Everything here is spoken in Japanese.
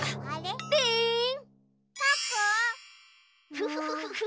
フフフフッ。